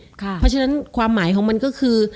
เพราะฉะนั้นความหมายของมันก็คือ